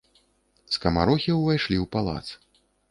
Скамарохі ўвайшлі ў палац.